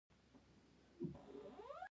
د ورنیک برخه د ژبې د پوهیدو او درک دنده لري